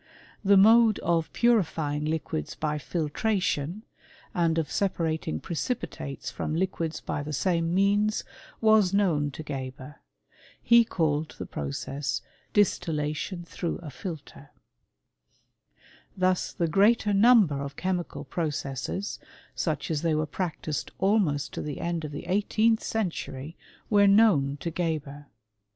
"^ The mode of punfying liquids by filtration, andjrfl. separating precipitates from liquids by the same metttlff was known to Geber. He called the process distithf^ turn through a filter. .\ \l^ Thus the greater number of chemical processes, smtf as thej were practised almost to the end of the eighteendl century, were known to Geber.